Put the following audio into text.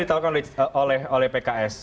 ditelurkan oleh pks